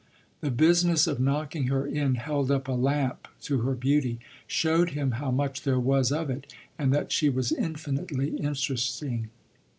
The business of "knocking her in" held up a lamp to her beauty, showed him how much there was of it and that she was infinitely interesting.